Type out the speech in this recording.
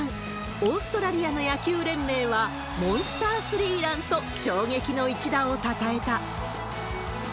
オーストラリアの野球連盟は、モンスタースリーランと衝撃の一打をたたえた。